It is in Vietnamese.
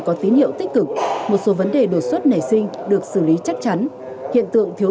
có tín hiệu tích cực một số vấn đề đột xuất nảy sinh được xử lý chắc chắn hiện tượng thiếu